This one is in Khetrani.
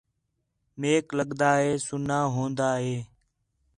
میک لڳدا ہِے سُنّا ہون٘دا ہِے